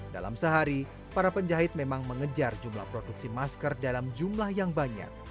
dalam sehari para penjahit memang mengejar jumlah produksi masker dalam jumlah yang banyak